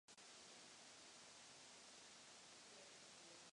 Zároveň získal titul tajného rady.